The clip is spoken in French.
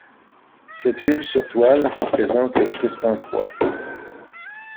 Cette huile sur toile représente le Christ en croix.